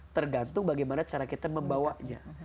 tergantung bagaimana cara kita membawanya